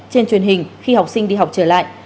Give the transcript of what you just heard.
trên truyền hình khi học sinh đi học trở lại